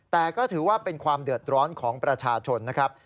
แต่ก็ถือว่าเป็นความเดือดร้อนของประชาชนนะครับ